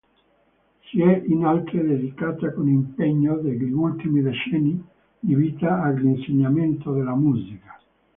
Si è inoltre dedicata con impegno negli ultimi decenni di vita all'insegnamento della musica.